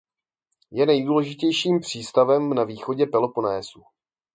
Je nejdůležitějším přístavem na východě Peloponésu.